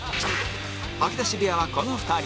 吐き出し部屋はこの２人